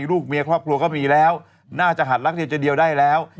ลูกเมียครอบครัวก็มีแล้วน่าจะหัดรักเดียวจะเดียวได้แล้ว